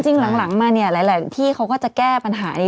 หลังมาเนี่ยหลายที่เขาก็จะแก้ปัญหานี้